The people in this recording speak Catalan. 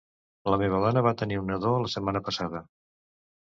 La meva dona va tenir un nadó la setmana passada.